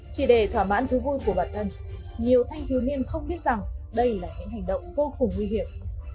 chỉ để thỏa mãn thú vui của bản thân nhiều thanh thiếu niên không biết rằng đây là những hành động vô cùng nguy hiểm